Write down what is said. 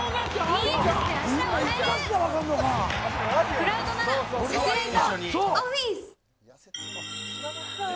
クラウドならサテライトオフィス。